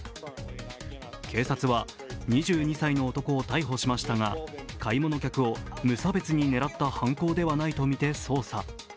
警察は、２２歳の男を逮捕しましたが買い物客を無差別に狙った犯行ではないと見て捜査。